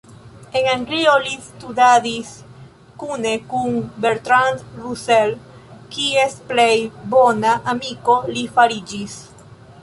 En Anglio li studadis kune kun Bertrand Russell, kies plej bona amiko li fariĝis.